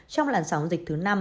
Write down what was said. trong làn sóng dịch thứ năm